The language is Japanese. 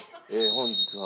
「本日は」